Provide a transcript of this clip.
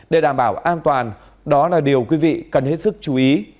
để đảm bảo an toàn đó là điều quý vị cần hết sức chú ý